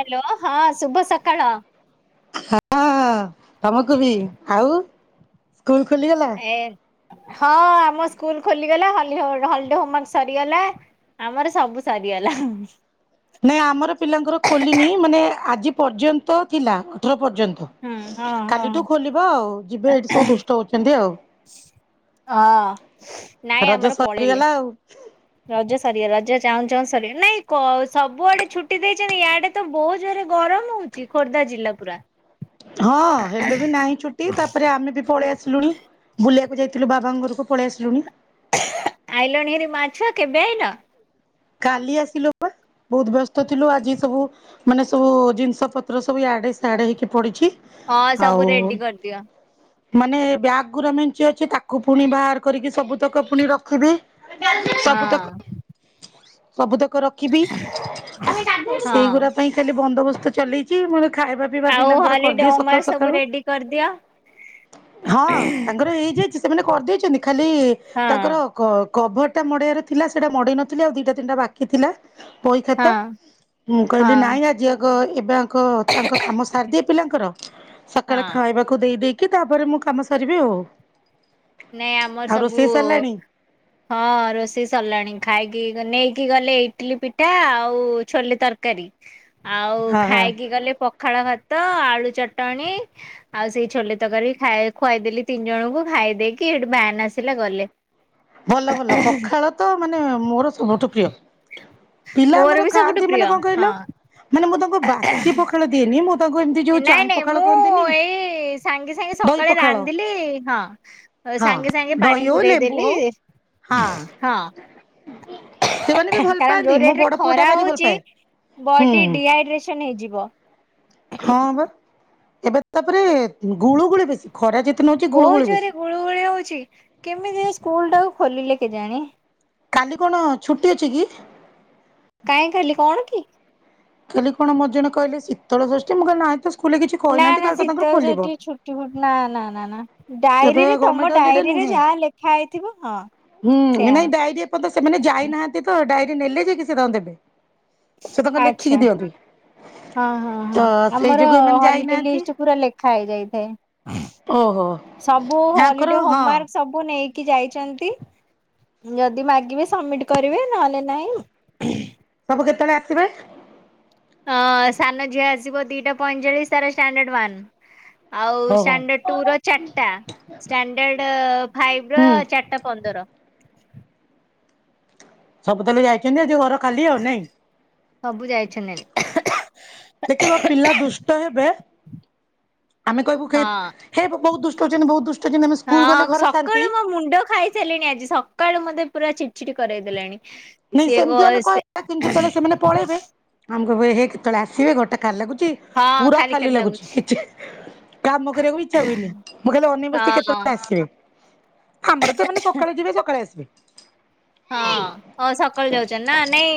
Hello ହଁ ଶୁଭ ସକାଳ। ହଁ ତମକୁ ବି ଆଉ ସ୍କୁଲ ଖୋଲିଗଲା? ହଁ ଆମ ସ୍କୁଲ ଖୋଲିଗଲା ହଲି ଡେ ହୋମୱାର୍କ ସରିଗଲା ଆମର ସବୁ ସରିଗଲା। ନାଇଁ ଆମର ପିଲାଙ୍କର ଖୋଲିନି ମାନେ ଆଜି ପର୍ଯ୍ୟନ୍ତ ଥିଲା ଅଠର ପର୍ଯ୍ୟନ୍ତ ହୁଁ ହଁ ହଁ କାଲିଠୁ ଖୋଲିବ ଆଉ ଯିବେ ଏଇଠି ସବୁ ଦୁଷ୍ଟ ହଉଛନ୍ତି ଆଉ ହଁ ନାଇଁ ରଜ ଆମର ସରିଗଲା ପଳେଇଲେ। ଆଉ ରଜ ସରିଗଲା ରଜ ଚାହୁଁ ଚାହୁଁ ସରିିଗଲା ନାଇଁ ସବୁଆଡେ ଛୁଟି ଦେଇଛନ୍ତି ୟାଆଡେ ତ ବହୁତ ଜୋରେ ଗରମ ହଉଛି ଖୋର୍ଦ୍ଧା ଜିଲ୍ଲା ପୁରା ହଁ ହେଲେ ବି ନାହିଁ ଛୁଟି ତାପରେ ଆମେ ବି ପଳେଇ ଆସିଲୁଣି ବୁଲିବାକୁ ଯାଇଥିଲୁ ବାବା ଘରକୁ ପଳେଇ ଆସିଲୁଣି। ଆଇଲଣ ହେରି ମା ଝିଅ କେବେ ଆଇଲ? କାଲି ଆସିଲୁ। ବହୁତ ବ୍ୟସ୍ତ ଥିଲୁ ଆଜି ସବୁ ମାନେ ସବୁ ଜିନିଷ ପତ୍ର ସବୁ ଇଆଡେ ସିଆଡେ ହେଇକି ପଡିଛି ହଁ ସବୁ ଆଉ ରେଡି କରିଦିଅ ମାନେ ବ୍ୟାଗ ଗୁରା ମେଞ୍ଚି ଅଛି ତାକୁ ପୁଣି ବାହାର କରିକି ସବୁତକ ପୁଣି ରଖିବି ହଁ। ସବୁ ତକ ରଖିବି ତ ସେଇଗୁଡା ହଁ। ପାଇଁ ଖାଲି ବନ୍ଦୋବସ୍ତ ଚଲେଇଛି ମୋର ଖାଇବା ଖାଇବା ଆଉ ପିଲାଙ୍କର ହଲିଡେ କରିଦିଏ ହୋମୱାର୍କ ସକାଳୁ ସବୁ ସକାଳୁ ରେଡି କରିଦିଅ ହଁ ତାଙ୍କର ହୋଇଯାଇ ସେମାନେ କରିଦେଇଛନ୍ତି ଖାଲି ହଁ ତାଙ୍କର କ କଭର ଟା ମଡ଼େଇବାର ଥିଲା ସେଟା ମଡ଼େଇ ନଥିଲା ଥିଲି ଆଉ ଦିଟା ତିନିଟା ବାକି ଥିଲା, ବହି ହଁ ଖାତା, ମୁଁ ହଁ କହିଲି ନାଇଁ ଆଜି ଆଗ ଏବେ ଆଗ ଆଗ ତାଙ୍କ କାମ ସାରି ଦିଏ ପିଲାଙ୍କର, ସକାଳେ ହଁ। ଖାଇବା କୁ ଦେଇ ଦେଇକି, ତାପରେ ମୁଁ କାମ ସାରିବି ଆଉ। ନାଇଁ ଆମର ଆଉ ସବୁ ରୋଷେଇ ସରିଲାଣି ହଁ ରୋଷେଇ ସରିଲାଣି, ଖାଇକି ନେଇକି ଗଲେ ଇଟିଲି ପିଠା ଆଉ ଛୋଲେ ତରକାରୀ। ଆଉ ହଁ ହଁ ଖାଇକି ଗଲେ ପଖାଳ ଭାତ, ଆଳୁ ଚଟଣୀ ଆଉ ସେଇ ଛୋଲେ ତରକାରୀ ଖାଇ ଖୁଆଇଦେଲି ତିନି ଜଣଙ୍କୁ, ଖାଇ ଦେଇକି କି ହେଠୁ ଭ୍ୟାନ୍ ଆସିଲା ଗଲେ। ଭଲ ଭଲ ପଖାଳ ତ ମାନେ ମୋର ସବୁଠୁ ପ୍ରିୟ। ପିଲା ମୋର ଆମର ବି ସବୁଠୁ ଖାଆନ୍ତି ପ୍ରିୟ ମାନେ ହଁ କଣ କହିଲ, ମାନେ ମୁଁ ତାଙ୍କୁ ବାସି ପଖାଳ ଦିଏନି, ମୁଁ ତାଙ୍କୁ ଏମିତି ଯୋଉ ନାଇଁ ଚାଇଁ ନାଇଁ ପଖାଳ ମୁଁ କହନ୍ତିନି ଏଇ ସାଙ୍ଗେ ସାଙ୍ଗେ ଦହି ସକାଳେ ପଖାଳ ରାନ୍ଧିଲି, ହଁ। ହଁ ସାଙ୍ଗେ ସାଙ୍ଗେ ପାଣି ଦହି ହଉ ପୁରେଇ ଲେମ୍ବୁ ଦେଲି, ହଉ ହଁ ହଁ। ସେମାନେ ବି ଭଲ କାରଣ ପାଆନ୍ତି ଯୋଉ ମୋ ରେଟ ରେ ବଡ ପୁଅ ଟା ଖରା ଭାରି ଭଲ ହଉଚି, ପାଏ ହୁଁ ବଡି଼ ଡି଼ଏ ହାଇଡ଼୍ରେସନ୍ ହେଇଯିବ। ହଁ ବା, ଏବେ ତାପରେ ଗୁଳୁ ଗୁଳି ବେଶୀ, ଖରା ଯେତେ ନ ହଉଚି ଗୁଳୁ ବହୁତ ଗୁଳି ଜୋରେ ବେଶୀ। ଗୁଳୁ ଗୁଳି ହଉଚି, କେମିତି ଏ ସ୍କୁଲ ଟାକୁ ଖୋଲିଲେ କେଜାଣି? କାଲି କଣ ଛୁଟି ଅଛି କି? କାଇଁ କାଲି କଣ କି? କାଲି କଣ ମତେ ଜଣେ କହିଲେ ଶୀତଳଷଷ୍ଠି, ମୁଁ କହିଲି ନାଇଁ ତ ସ୍କୁଲରେ କିଛି ନା ନା କହିନାହାନ୍ତି କାଲି ତ ଶୀତ ତାଙ୍କର ଖୋଲିବ। ସେଠି ଛୁଟି ନା ନା ନା ନା, ତ ଡ଼ାଏରୀରେ, ଗଭର୍ଣ୍ଣମେଣ୍ଟ ତମ ହଲିଡେ ଡ଼ାଏରୀରେ ନୁହେଁ ଯାହା ଲେଖା ହେଇଥିବ, ହଁ। ହୁଁ ସେୟା ନାଇଁ ହବ ଡ଼ାଇରୀ ଏପର୍ଯ୍ୟନ୍ତ ସେମାନେ ଯାଇନାହାନ୍ତି ତ, ଡ଼ାଇରି ନେଲେ ଯାଇକି ସେ ତାଙ୍କୁ ଦେବେ। ସେ ତାଙ୍କର ଆଛା, ଲେଖିକି ଦିଅନ୍ତି ହଁ ହଁ ତ ହଁ, ସେଇ ଆମର ଯୋଗୁ ଏମାନେ ହଲି ଡ଼େ ଯାଇନାହାନ୍ତି। ଲିଷ୍ଟ ପୁରା ଲେଖା ହେଇଯାଇଥାଏ, ଓହୋ ସବୁ ୟାଙ୍କର ହଲିଡ଼େ ହଁ ହୋମୱାର୍କସ୍ ସବୁ ନେଇକି ଯାଇଚନ୍ତି ଯଦି ମାଗିବେ ସବମିଟ୍ କରିବେ, ନହେଲେ ନାହିଁ। ସବୁ କେତେବେଳେ ଆସିବେ? ହଁ, ସାନ ଝିଅ ଆସିବ ଦିଟା ପଇଁଚାଳିଶ, ତାର ଷ୍ଟାଣ୍ଡାର୍ଡ଼ ୱାନ। ଆଉ ହଉ ହଉ ଷ୍ଟାଣ୍ଡାର୍ଡ଼ ଟୁ ର ଚାରିଟା। ଷ୍ଟାଣ୍ଡାର୍ଡ଼ ଫାଇଭ୍ ର ହୁଁ ଚାରିଟା ପନ୍ଦର। ସବୁ ତାହାଲେ ଯାଇଚନ୍ତି, ଆଜି ଘର ଖାଲି, ଆଉ ନାଇଁ? ସବୁ ଯାଇଚନ୍ତି ହାରି। ଦେଖିବ ପିଲା ଦୁଷ୍ଟ ହେବେ ଆମେ କହିବୁ ହଁ ଖାଲି ହେ ବହୁତ ଦୁଷ୍ଟ ହଉଚନ୍ତି, ବହୁତ ଦୁଷ୍ଟ ହଉଚନ୍ତି, ଆମେ ସ୍କୁଲ ହଁ ଗଲେ ଘରେ ଶାନ୍ତି ସକାଳୁ ମୋ ମୁଣ୍ଡ ଖାଇ ଲେଣି ଆଜି, ସକାଳୁ ମତେ ପୁରା ଚିଡ଼ି ଚିଡ଼ି କରେଇ ଦେଲାଣି, ନାଇଁ ସିଏ କ ସେମିତି ଆମେ ସେ କହିବା କିନ୍ତୁ ଯେତେବେଳେ ସେମାନେ ପଳେଇବେ, ଆମେ କହିବୁ ଏହେ କେତେବେଳେ ଆସିବେ, ଘରଟା ଖାଲି ଲାଗୁଚି। ପୁରା ଖାଲି ଲାଗୁଚି, କିଛି କାମ କରିବାକୁ ବି ଇଛା ହୁଏନି, ମୁଁ ଖାଲି ଅନେଇ ବସିଚି ହଁ। କେତେବେଳେ ସେ ଆସିବେ? ଆମର ତ ଏମାନେ ସକାଳେ ଯିବେ ସକାଳେ ଆସିବେ। ହଁ, ହ ସକାଳୁ ଯାଉଛନ୍ତି ନା, ନାଇଁ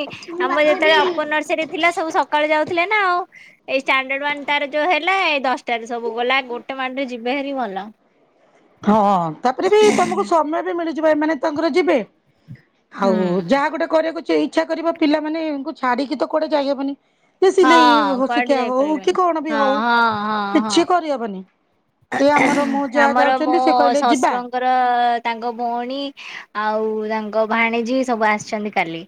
ଆମର ଯେତେବେଳେ ଅପର ନର୍ସରୀ ଥିଲା, ସବୁ ସକାଳୁ ଯାଉଥିଲେ ନା ଆଉ, ଏଇ ଷ୍ଟାଣ୍ଡାର୍ଡ଼ ୱାନ ତାର ଯୋଉ ହେଲା, ଏ ଦଶଟା ତାରେ ସବୁ ଗଲା, ଗୋଟେ ମାଡ଼ରେ ଯିବେ ହେରି ଭଲ। ହଁ, ତାପରେ ବି ତମକୁ ସମୟ ବି ମିଳିଯିବ, ଏମାନେ ତାଙ୍କର ଯିବେ ଆଉ ହୁଁ। ଯାହା ଗୋଟେ କରିବାକୁ ଯେ ଇଛା କରିବ, ପିଲାମାନେ ୟାଙ୍କୁ ଛାଡି଼କି ତ କୁଆଡ଼େ ଯାଇହବନି ସେ ସିଲେଇ ହଁ ହ କୁଆଡେ ଶିକିବା ହଉ, କି ଯାଇପାରିବନି କଣ ବି ହଁ ହଉ, ହଁ ହଁ କିଛି ହଁ। କରିହବନି। ଏ ଆମର ମୁଁ ଯାହା ଆମର ଯାଉ ମୋ ଶଶୁରଙ୍କ ଙ୍କର ତାଙ୍କ ଭଉଣୀ ଆଉ ତାଙ୍କ ଭାଣୀଜୀ ସବୁ ଆସିଛନ୍ତି କାଲି।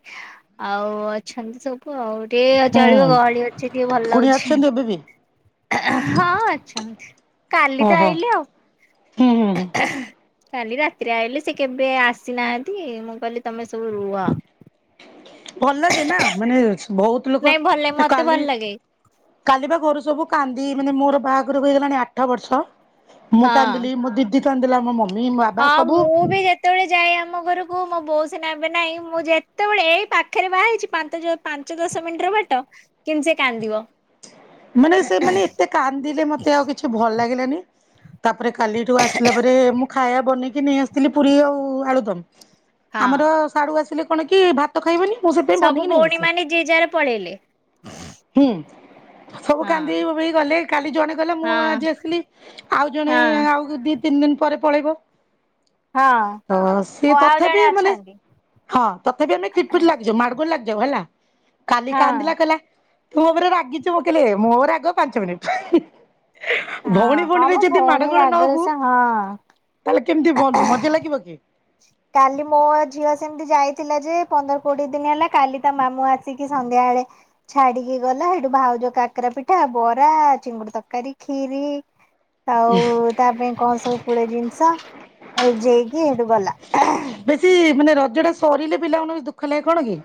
ଆଉ ଅଛନ୍ତି ସବୁ ଆଉ ଟିକେ ଚଳିବ ହୁଁ ଗହଳି ଅଛି ଟିକେ ଭଲ କୁଣିଆ ଲାଗୁଛି। ଅଛନ୍ତି ଏବେ ବି? ହଁ ଅଛନ୍ତି କାଲି ତ ଓହୋ ଆଇଲେ ଆଉ। ହୁଁ ଉଁ। କାଲି ରାତିରେ ଆଇଲେ ସେ କେବେ ଆସିନାହାନ୍ତି ମୁଁ କହିଲି ତମେ ସବୁ ରୁହ। [inaudible] ଭଲ ଗେନା ମାନେ ବୋହୁତ ଲୋକ ନାଇଁ ଭଲ ମତେ ଭଲ କାଲି ଲାଗେ କାଲି ବା ଘରୁ ସବୁ କାନ୍ଦି ମାନେ ମୋର ବାହାଘରକୁ ହୋଇଗଲାଣି ଆଠ ବର୍ଷ। ମୁଁ ହଁ। କାନ୍ଦିଲି ମୋ ଦିଦି କାନ୍ଦିଲା ମୋ ମମ ହଁ ମୁଁ ବି ଯେତେବେଳେ ଯାଏ ଆମ ଘରକୁ ମୋ ବୋଉ ସିନା ଏବେ ନାହିଁ। ମୁଁ ଯେତେବେଳେ ଏଇ ପାଖରେ ବାହା ହେଇଛି ପାନ୍ତ ଜୋ ପାଞ୍ଚ ଦଶ ମିନିଟ ର ବାଟ କିନ୍ତୁ ସେ କାନ୍ଦିବ। ମାନେ ସେ ମାନେ ଏତେ କାନ୍ଦିଲେ ମତେ ଆଉ କିଛି ଭଲ ଲାଗିଲାନି। ତାପରେ କାଲିଠୁ ଆସିଲା ପରେ ମୁଁ ଖାଇବା ବନେଇକି ନେଇ ଆସିଥିଲି ପୁରୀ ଆଉ ଆଳୁଦମ। ହଁ। ଆମର ସାଡୁ ଆସିଲେ କଣ କି ଭାତ ଖାଇବନି। ମୁଁ ସେଥିପାଇ ସବୁ ବନେଇକି ନେଇ ଭଉଣୀ ଆସେ। ମାନେ ଯିଏ ଯାହାର ପଳେଇଲେ। ହୁଁ। ସବୁ କାନ୍ଦିକି ହଁ। ବୋବେଇକି ଗଲେ କାଲି ଜଣେ ଗଲେ ମୁଁ ହଁ ଆଜି ଆସିଲି ଆଉ ଜଣେ ହଁ ଆଉ ଦି ତିନି ଦିନି ପରେ ପଳେଇବ। ହଁ ସିଏ ଓ ଆଉ ତଥାପି ଜଣେ ମାନେ ଅଛନ୍ତି ହଁ ତଥାପି ଆମେ ଖିଟପିଟ ଲାଗିଯିବୁ ମାଡଗୋଲ ଲାଗି ଯୋଉ ହେଲା କାଲି ହଁ। କାନ୍ଦିଲା କହିଲା ତୁ ଉପରେ ରାଗିଚୁ। ମୁଁ କଇଲି ମୋ ରାଗ ପାଞ୍ଚ ମିନିଟ ହଁ ଭଉଣୀ ହଁ ଭଉଣୀରେ ମୋ ଯଦି ଭଉଣୀ ମାଡଗୋଳ ନ ରାଗରେ ହବୁ ସେ ହଁ। ତାଲେ କେମିତି ବ ମଜା ଲାଗିବ କି। କାଲି ମୋ ଝିଅ ସେମିତି ଯାଇଥିଲା ଯେ ପନ୍ଦର କୋଡିଏ ଦିନି ହେଲା କାଲି ତା ମାମୁଁ ଆସି ଠିକ୍ ସନ୍ଧ୍ୟାବେଳେ ଛାଡିକି ଗଲା ହେଠୁ ଭାଉଜ କାକେରା ପିଠା, ବରା, ଚିଙ୍ଗୁଡ଼ି ତରକାରୀ, ଖିରି ଆଉ ତା ପାଇଁ କଣ ସବୁ ପୁଳେ ଜିନିଷ ଯେଇକି ସେଠୁ ଗଲା। ବେଶୀ ମାନେ ରଜ ଟା ସରିଲେ ପିଲାମାନଙ୍କୁ ଦୁଃଖ ଲାଗେ କଣ କି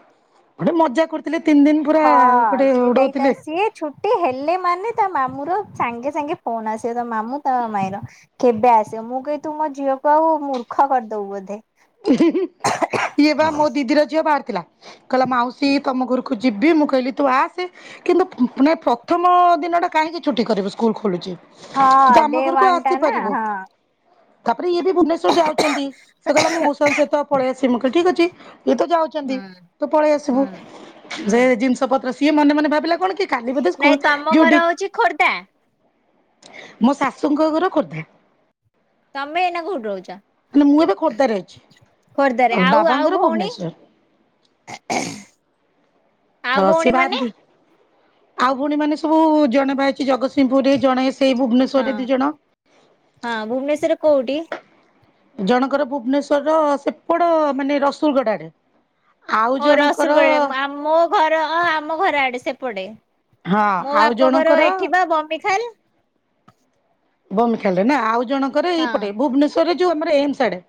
ଗୋଟେ ମଜା କରୁ ଥିଲେ ତିନି ଦିନି ପୁରା ହଁ ଗୋଟେ ସିଏ ଯାଇତା ଉଡଉଥିଲେ। ସିଏ ଛୁଟି ହେଲେ ମାନେ ତା ମାମୁଁ ର ସାଙ୍ଗେ ସାଙ୍ଗେ ଫୋନ ଆସିବ ତା ମାମୁଁ ତା ମାଇଁର। କେବେ ଆସିବ ମୁଁ କହିବି ତୁ ମୋ ଝିଅକୁ ଆଉ ମୂର୍ଖ କରଦବୁ ବୋଧେ। ହୁଁ ଇଏ ବା ମୋ ଦିଦିର ଝିଅ ବାହାରିଥିଲା। କହିଲା ମାଉସୀ ତମ ଘରକୁ ଯିବି ମୁଁ କହିଲି ତୁ ଆସେ। କିନ୍ତୁ ମାନେ ପ୍ରଥମ ଦିନଟା କାହିଁକି ଛୁଟି କରିବେ ସ୍କୁଲ ଖୋଲୁଛି। ତୁ ତ ହଁ ଡେ ଆମ ଘରକୁ ୱାନ ଟା ନା ଆସିପାରିବୁ। ହଁ। ତାପରେ ଇଏ ବି ଭୁବନେଶ୍ୱର ଯାଉଚନ୍ତି ସେ କଇଲା ମୁଁ ହଁ ପଳେଇ ଆସିମି ମୁଁ କହିଲି ଠିକ୍ ଅଛି। ଇଏ ତ ଯାଉଚନ୍ତି ହୁଁ ତୁ ପଳେଇ ଆସିବୁ। ହୁଁ ହୁଁ ସୁଭଦ୍ରା ସିଏ ମନେ ମନେ ଭାବିଲା କଣ କି କାଲି ବୋଧେ ନାଇଁ ସ୍କୁଲ୍ ତମ ଘର ଡିୟୁଟି ହଉଛି ଖୋର୍ଦ୍ଧା ମୋ ଶାଶୁଙ୍କ ଘର ଖୋର୍ଦ୍ଧା। ତମେ ଏଇନା କୋଉଠି ମାନେ ମୁଁ ଏବେ ରହୁଚ? ଖୋର୍ଦ୍ଧାରେ ଅଛି ଖୋର୍ଦ୍ଧାରେ ଆଉ ଆଉ ବାବାଙ୍କର ଭଉଣୀ ଭୁବନେଶ୍ଵର ଏ ହେଁ। ତ ସେ ବାହାନ୍ତି ଆଉ ଭଉଣୀ ମାନେ ସବୁ ଜଣେ ବାହା ହେଇଚି ଜଗତସିଂହପୁରୁରେ ଜଣେ ଏଇ ହଁ ଭୁବନେଶ୍ୱରରେ ଦି ଜଣ। ହଁ ଭୁବନେଶ୍ଵରେ କୋଉଠି? ଜଣଙ୍କର ଭୁବନେଶ୍ଵର ସେପଡ଼ ମାନେ ରସୁଲଗଡ଼ରେ। ଆଉ ଓ ଜଣଙ୍କର ରସୁଲଗଡରେ ଆ ମୋ ଘର ଆମ ଘର ଆଡ଼େ ସେପଟେ। ହଁ ମୋ ଆଉ ବାପଘର ଜଣଙ୍କର ଏଠି ବା ବମ୍ବି ଖାଲ। ବମ୍ବିଖାଲ ରେ ନା ଆଉ ଜଣଙ୍କର ହଁ। ଏଇପଟେ ଭୁବନେଶ୍ୱରରେ ଯୋଉ ଆମ ଏମ ସ୍ ଆଡ଼େ।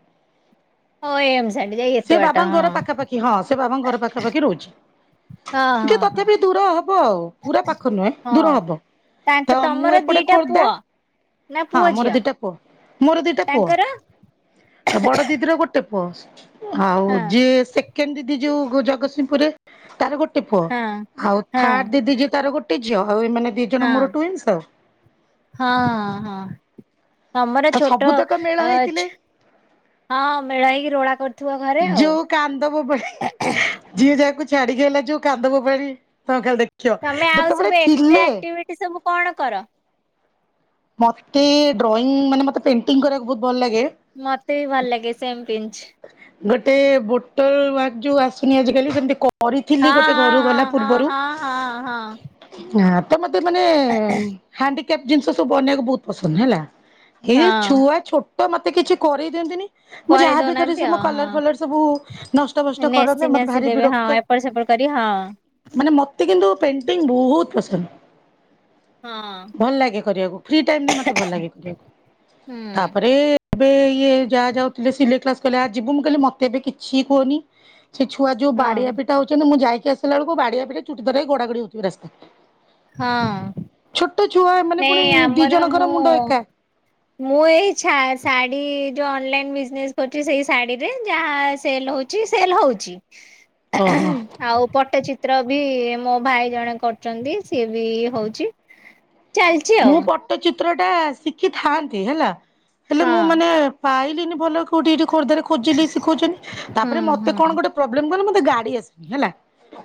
ଓ ଏମ ସ୍ ଆଡ଼େ ଯାଇ ଏତେ ସେ ବାଟ ବାବାଙ୍କ ହଁ। ଘର ପାଖାପାଖି ହଁ ସେ ବାବାଙ୍କ ଘର ପାଖାପଖି ରହୁଚି। ହଁ ଯେ ହଁ ତତେ ହଁ। ବି ଦୂର ହବ ଆଉ ପୁରା ପାଖ ନୁହେଁ ହଁ ଦୂର ହବ। ତ ତାଙ୍କ ମୁଁ ତମର ଦି ଏପଟେ ଟା ଖୋର୍ଦ୍ଧା ପୁଅ ନା ହଁ ପୁଅ ମୋର ଝିଅ? ଦିଟା ପୁଅ ମୋର ଦିଟା ପୁଅ ତାଙ୍କର? ଆଉ ବଡ଼ ଦିଦିର ଗୋଟେ ପୁଅ। ଆଉ ହଁ। ଯିଏ ସେକେଣ୍ଡ ଦିଦି ଯୋଉ ଜଗତସିଂହପୁରରେ ତାର ଗୋଟେ ହଁ ଆଉ ହଁ। ଥାର୍ ଦିଦି ତାର ଗୋଟେ ଝିଅ ଆଉ ଏମାନେ ଦି ହଁ ଜଣ ମୋର ଟୁଇସ୍ ଆଉ। ହଁ, ହଁ ତମର ତ ଛୋଟ ସବୁତକ ମେଳ ହେଇଥିଲେ ଅଛ। ହଁ ମେଳଇକି ରୋଳା କରୁ ଯୋଉ କାନ୍ଦ ବୋବାଳି। ଯିଏ ଯାହାକୁ ଛାଡିି଼ କି ହେଲା ଯୋଉ କାନ୍ଦବ ବୋବାଳି ତମେ ଖାଲି ଦେଖିବ ଯେତେବଳେ ଥିଲେ। ଏ ସବୁ କଣ କର? ମତେ ଡ୍ରଇଂ ମାନେ ମତେ ପେଣ୍ଟିଂ କରିବାକୁ ବହୁତ୍ ଭଲ ଲାଗେ। ମତେ ବି ଭଲ ଲାଗେ ସେମ ପିନଚ୍। ଗୋଟେ ବୋଟଲ ୱାଟ ଯୋଉ ଆସୁନି ଆଜ କାଲି ସେମତି କରିଥିଲି ହଁ ଗୋଟେ ଘରୁ ହଁ ଗଲା ହଁ ପୂର୍ବରୁ। ହଁ ହଁ ହଁ ହଁ ହ ତ ମତେ ମାନେ ହାଣ୍ଡିକ୍ୟାପ ଜିନିଷ ସବୁ ବନେଇବାକୁ ବହୁତ ପସନ୍ଦ ହେଲା। ଏଇ ଯେ ହଁ। ଛୁଆ ଛୋଟ ମତେ କିଛି କରେଇ ଦିଅନ୍ତିନି। ମୁଁ କରି ଯାହାବି କରେ ଦଉନାହାନ୍ତି ସେ ଆଉ କଲର ହଁ ଫଲର ସବୁ ନଷ୍ଟ ଫଷ୍ଟ କରନ୍ତେ ମତେ ଭାରି ବିରକ୍ତ। ଏପ ସେପଡ଼ କରି ହଁ। ମାନେ ମତେ କିନ୍ତୁ ପେଣ୍ଟିଙ୍ଗ ବହୁତ ପସନ୍ଦ। ହଁ। ଭଲ ଲାଗେ କରିବାକୁ ଫ୍ରି୍ ଟାଇମ ମତେ ଭଲ ଲାଗେ କରିବାକୁ ହୁଁ ତାପରେ ଏବେ ଇଏ ଯାହା ଯାଉଥିଲେ ସିଲେଇ କ୍ଲାସ କଲେ। ଆ ଯିବୁ ମୁଁ କହିଲି ମତେ ଏବେ କିଛି କୁହନି। ସେ ଛୁଆ ଯୋଉ ହଁ ବାଡି଼ଆ ପିଠା ହଉଛନ୍ତି ମୁଁ ଯାଇକି ଆସିଲା ବେଳକୁ ବାଡିଆ ପିଠା ଚୁଟି ଧରିଡା ଗଡି ହଉଥି ରାସ୍ତାରେ। ହଁ ଛୋଟ ଛୁଆ ମାନେ ପୁଣି ନାଇଁ ଦି ଆମର ଜଣଙ୍କର ମୁଁ ମୁଣ୍ଡ ଏକା ମୁଁ ଏଇଛା ଶାଢ଼ୀ ଯୋଉ ଅନଲାଇନ ବିଜନେସ କରୁଚି ସେଇ ଶାଢ଼ୀରେ ଯାହା ସେଲ୍ ହଉଛି। କି ସେଲ୍ ହଉଚି। ଓହୋ। ଆଉ ପଟ୍ଟଚିତ୍ର ବି ମୋ ଭାଇ ଜଣେ କରୁଚନ୍ତି। ସିଏ ବି ହଉଚି। ହେ ପଟ୍ଟଚିତ୍ର ଟା ଶିଖିଥାନ୍ତି ହେଲା ହେଲେ ମୁଁ ମାନେ ପାଇଲିନି ଭଲ କୋଉଠି ଏଠି ଖୋଦ୍ଧାରେ ଖୋଜିଲି ଶିଖଉଚନ୍ତି ହଁ ତାପରେ ହୁଁ ମତେ କଣ ହୁଁ ଗୋଟେ ପ୍ରୋବ୍ଲେମ ହୁଏ ମତେ ଗାଡ଼ି ଆସିନି ହେଲା।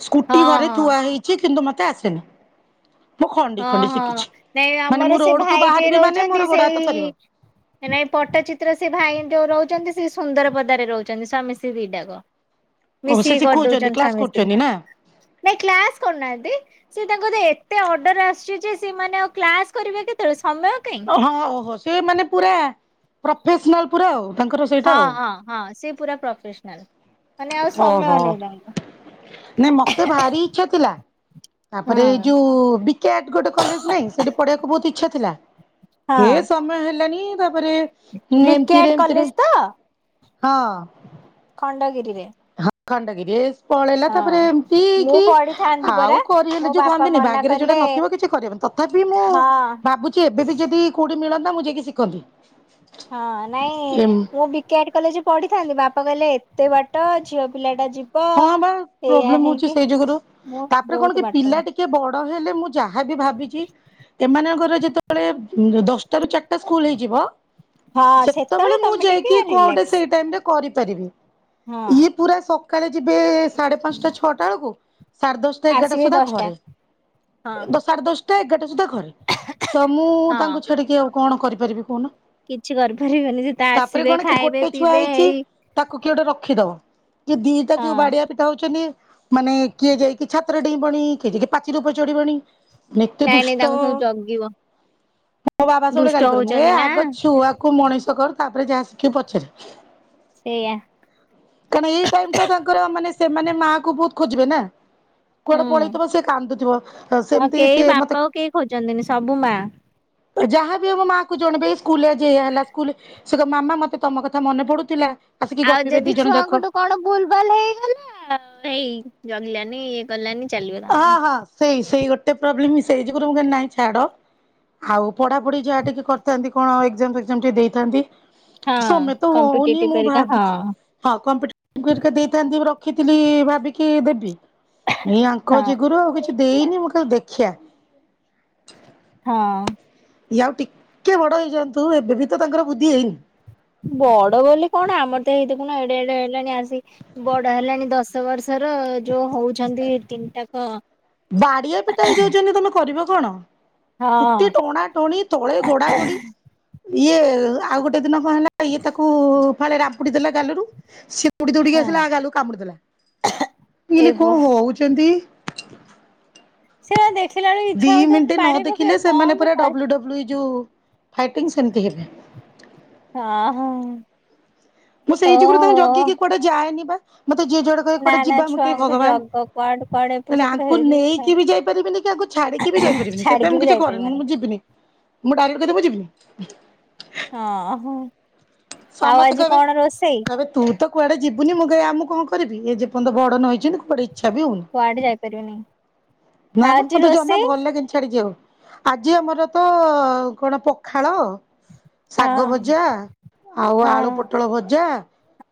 ସ୍କୁଟି ହଁ ଘରେ ହଁ ଥୁଆ ହେଇଚି କିନ୍ତୁ ମତେ ଆସେନି ମୁଁ ଖଣ୍ଡି ହଁ ଖଣ୍ଡି ହଁ ଶିଖିଚି। ନାଇଁ ଆମର ସେ ଭାଇ ଯିଏ ମୋର ରହୁଚନ୍ତି ଗୋଡ ହାତ ସେଇ ଥରିବ। ନାଇ ପଟ୍ଟଚିତ୍ର ସେ ଭାଇ ଯୋଉ ରହୁଚନ୍ତି ସେ ସୁନ୍ଦର ପଦାରେ ରହୁଚନ୍ତି ସ୍ୱାମୀ ସ୍ତ୍ରୀ ଦିଟାକ। ଓ ମିଶି ସେ କି ଶିଖଉଛନ୍ତି କରଦେଉଚନ୍ତି କ୍ଲାସ ସ୍ଵାମୀ ସ୍ତ୍ରୀ। କରୁଛନ୍ତି ନା ନାଇଁ କ୍ଲାସ୍ କରୁନାହାନ୍ତି ସେ ତାଙ୍କର ଏତେ ଅ ଆସୁ ଯେ ସେମାନେ ଆଉ କ୍ଲାସ କରିବେ କେତେଳେ ସମୟ କାଇଁ‌। ହଁ ଓହୋ ସେ ମାନେ ପୁରା ପ୍ର ହଁ ହଁ ହଁ ସେ ପୁରା ପ୍ରୋଫେସନାଲ। ମାନେ ଆଉ ସମୟ ନେଇନାଇ। ନାଇ ମତେ ଭାରି ଇଚ୍ଛା ଥିଲା ତାପରେ ଏଇ ହୁଁ ଯୋଉ ବି କିଆଡ ଗେଟେ କଲେଜ ନାଇଁ ସେଠି ପଢିବାକୁ ବହୁତ ଇଚ୍ଛା ଥିଲା। ଏ ସମୟ ହେଲଣିି ତାପରେ ଏମିତିରେ ବିକାଡ ଏମିତିରେ କଲେଜ ତ ହଁ ଖଣ୍ଡଗିରିରେ। ହଁ ଖଣ୍ଡଗିରି ରେ। ପଳେଇଲା ହଁ ତାପରେ ଏମିତି ମୁଁ କି ପଢିଥାନ୍ତି ପରା ଆଉ ମୋ କରିହେଲେ ଯୋଉ ବାପା କହନ୍ତିନି ମନା ବାଗରେ ଯୋଉଟା କଲେ ନଥିବ କିଛି କରିହବନି। ତ ଥାପି ମୁଁ ହଁ ଭାବୁଚି ଏବେ ବି ଯଦି କୋଉଠି ମିଳନ୍ତା ମୁଁ ଯାଇକି ଶିଖନ୍ତି। ହଁ ନାଇଁ ମୁଁ ବି କାଟ କଲେଜ ପଢିଥାନ୍ତି ବାପା କହିଲେ ଏତେ ବାଟ ଝିଅ ପିଲା ଟା ଯି ହଁ ବା ପ୍ରୋବ୍ଲେମ ହଉଚି ସେଇ ଯୁଗରୁ। ମୁଁ ତାପରେ କଣ ବହୁତ କି ବାଟ ପିଲା ଟି ଟେ ବଡ ହେଲେ ମୁଁ ଯାହାବ ଭାବିଚି ଏମାନଙ୍କର ଯେତେବେଳେ ଦଶଟା ରୁ ଚାରିଟା ସ୍କୁଲ ହେଇଯିବ। ହଁ ସେତେବେଳେ ମୁଁ ତମେ ଟିକେ ଯାଇକି କଣ ଗଟେ ରିଲାକ୍ସ ସେଇ ଟାଇମରେ କରିପାରିବି। ହଁ। ଇଏ ପୁରା ସକାଳେ ଯିବେ ସାଢେ ପାଞ୍ଚଟା ଛଅଟା ବେଳକୁ ସାଢେ ଦଶଟା ଏଗାରଟା ଆସିବେ ସୁଦ୍ଧା ଦଶଟା ଘରେ। ହଁ ସାଢେ ଦଶଟା ଏଗାରଟା ସୁଦ୍ଧା ଘରେ ତ ମୁଁ ହଁ ତାଙ୍କୁ ଛାଡିକି ଆଉ କଣ କରିପାରିବି କୁହନ? କିଛି କରିପାରିବନି ସେ ତା ଆସିବେ ଖାଇବେ ଗୋଟେ ଛୁଆ ପିଇବେ ହେଇଛି ଏଇ ତାକୁ କିଏ ଗୋଟେ ରଖିଦବ କି ଦିଟା ହଁ ଯୋଉ ବାଡିଆ ସେଟା ହଉଚନ୍ତି ମାନେ କିଏ ଯାଇକି ଛାତ୍ର ଡେଇଁବଣି କିଏ ଯାଇକି ପାଚିରି ଉପରେ ଚଢିବଣି। ଏତେ ନାଇଁ ନାଇଁ ଦୁଷ୍ଟ ତାଙ୍କୁ ସବୁ ଜଗିବ ମୋ ବାବା ସବଳ ଦୁଷ୍ଟ ଗାଳି କରନି ଏ ହଉଛନ୍ତି ନା ଆଗ ଛୁଆ କୁ ମଣିଷ କର ତାପରେ ଯାହା ଶିଖି ପଛରେ। ସେଇଆ। କାରଣ ଏଇ ଟାଇ ଟା ତାଙ୍କର ମାନେ ସେମାନେ ମାଆ କୁ ବହୁତ ଖୋଜିବେ ନା। ହୁଁ କୁଆଡେ ପଳେଇଥିବ ସେ କାନ୍ଦୁଥିବ ଆଉ ସେମିତି କେହି ସିଏ ମତେ ବାପାକୁ କେହି ଖୋଜନ୍ତିନି ସବୁ ମା ଯାହାବି ଆମ ମା କ ଜଣିବ ଏଇ ସ୍କୁଲ ଯ ହେଲା ସ୍କୁଲ ସେ କ ମାମା ମତେ ତମ କଥା ମନେ ପଡୁଥିଲା ଆସିକି ଆଉ ଗପିବେ। ଦି ଯଦି ଜଣ ଯାକ। ଛୁଆଙ୍କଠୁ କଣ ବୁଲ ଭଲ ହେଇଗଲା ଆଉ ହେଇ ଜଗିଲାନି ଗଲା ନି ଚାଲିବ ହଁ ତାଙ୍କର। ହଁ ସେଇ ସେଇ ଗୋଟେ ପ୍ରୋବ୍ଲେମ ହଁ ସେଇ ଯୁରୁ ମୁ ନହିଁ ଛାଡ। ଆଉ ପଢାପଢି ଯାହା ଟିକେ କରିଥାନ୍ତି କଣ ଏ ଫ ଟିକେ ଦେଇଥାନ୍ତି। ହଁ ସମେ ତ ହଉନି କମ୍ପିଟେଟିଭ ମୁଁ ପରିକା ହଁ ଭାବିଚି ହଁ କ କରିକ ଦେଇଥାନ୍ତି ରଖିଥିଲି ଭାବିକି ଦେବି ଏ ଆ ଙ୍କ ହଁ ଯୋଗୁରୁ ଆଉ କିଛି ଦେଇନି ମୁଁ କ ଦେଖିଆ। ହଁ। ଇଏ ଆଉ ଟିକେ ବଡ ହେଇଯାଆନ୍ତୁ ଏବେ ବି ତ ତାଙ୍କର ବୁଦ୍ଧି ହେଇନି। ବଡ ବୋଲି କଣ ଆମର ତ ହେଇଥି କ ଏଡେ ଏଡେ ହେଲାଣି ଆସି ବଡ ହେଲାଣି ଦଶ ବର୍ଷର ଯୋଉ ହଉଚନ୍ତି ତିନିଟାକ ବାଡିଆ ପିଟା ହେଇଯାଉଛନ୍ତି ତମେ କରିବ କଣ। ହଁ ଚୁଟି ଟୋଣା ଟୋଣି ତଥଳେ ଘୋଡ଼ା ଘୋଡି ଇଏ ଆଉ ଗୋଟେ ଗୋଟେ ଦିନ କଣ ହେଲା ଇଏ ତାକୁ ଫାଳେ ରାମ୍ପୁଡି ଦେଲା ଗାଲରୁ ସିଏ ଉଡି ଦଉଡିକି ହଁ ଆସିଲା ଆଗାଲୁ କାମୁଡି ଦେଲା ଏ କଲି କ ବୋ ହଉଚନ୍ତି। ସେ ଦେଖିଲାଣି ଦି ମିଣ୍ଟି ନଦେଖିଲେ ସେମାନେ ପୁରା କରି ଡବ୍ଲୁ -ଡବ୍ଲୁ ଏ ଯୋଉ ଫାଇଟିଙ୍ଗ ସେମତି ହେବେ। ହଁ ହଁ। ମୁଁ ସେଇ ଯୋଗୁଡୁ ତାଙ୍କୁ ଓହୋ ଜଗିକି କୁଆଡେ ଯାଏନି ବା। ମତେ ଯିଏ ଯୁଆଡେ କହିବେ ନା କୁଆଡେ ନା ଯିବା? ମୁଁ କହିବି ଛୁଆଙ୍କୁ ଭଗବାନ ଜଗ କୁଆଡେ କୁଆଡେ ଏପଟ ହେଲେ ସେପଟ ଆଙ୍କୁ ହେଇଯିବ ଛା ନେଇକି ବି ଯାଇପାରିବିନି, କି ଆଙ୍କୁ ଛାଡ଼ିକି ବି ଯାଇପାରିବିନି। ସେଇଥିପାଇଁ ଛାଡିକି ମୁଁ ବି କିଛି କରେନି। ଯାଇପାରିବନି ମୁଁ ଯିବିନି, ମୁଁ ଡାଇରେକ୍ଟ କହିବି ମୁଁ ଯିବିନି। ହଁ ହଁ। ଆଉ ସମସ୍ତେ ଆଜି କହିବେ କଣ ରୋଷେଇ? କହିବେ ତୁ ତ କୁଆଡେ ଯିବୁନି। ମୁଁ କହିବି ଆ ମୁଁ କଣ କରିବି? ଏ ଯେପର୍ଯ୍ୟନ୍ତ ବଡ ନହେଇଛନ୍ତି କୁଆଡେ ଇଚ୍ଛା ବି ହଉନି। କୁଆଡେ ଯାଇପାରିବନି ନା ବା ଆଜି ମତେ ଜମା ରୋଷେଇ ଭଲ ଲାଗେନି ଛାଡି ଯିବାକୁ। ଆଜି ଆମର ତ କଣ ପଖାଳ ହଁ ଶାଗଭଜା ଆଉ ହଁ ଆଳୁପୋଟଳ ଭଜା,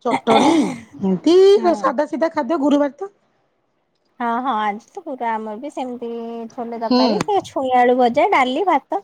ଚଟଣି ହୁଁ ଏମତି ଆଉ ସା ସାଧାସିଧା ଖାଦ୍ୟ, ଗୁରୁବାର ତ ହଁ ହଁ, ଆଜି ତ ପୁରା। ଆମର ବି ସେମିତି ଛୋଲେ ତରକାରୀ, ହୁଁ। ସେ ଛୁ ଛୁଇଁ ଆଳୁ ଭଜା, ଡାଲି, ଭାତ